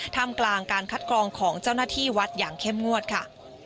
ทำกลางการคัดกรองของเจ้าหน้าที่วัดอย่างเข้มงวดค่ะ